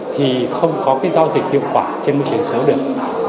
thì không có cái giao dịch hiệu quả trên môi trường số được